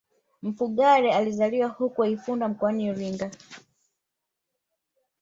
Mfugale alizaliwa huko Ifunda mkoani Iringa